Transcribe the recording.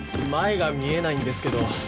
前が見えないんですけど。